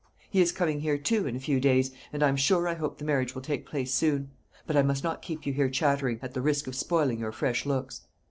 He is coming here, too, in a few days, and I'm sure I hope the marriage will take place soon. But I must not keep you here chattering, at the risk of spoiling your fresh looks."